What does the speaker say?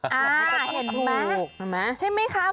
เห็นถูกใช่มั้ยคะ